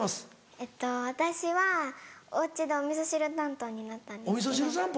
えっと私はお家でおみそ汁担当になったんですけど。